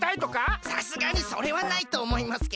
さすがにそれはないとおもいますけど。